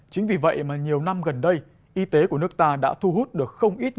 chính vì vậy mà nhiều năm gần đây y tế của nước ta đã thu hút được không ít người